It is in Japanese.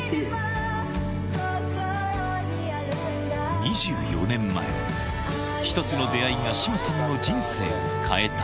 ２４年前、１つの出会いが志麻さんの人生を変えた。